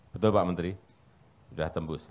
betul pak menteri sudah tembus